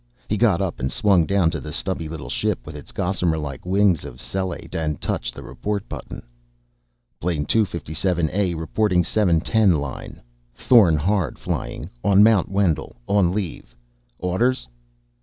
He got up and swung down to the stubby little ship with its gossamer like wings of cellate. He touched the report button. "Plane 257 A reporting seven ten line. Thorn Hard flying. On Mount Wendel, on leave. Orders?"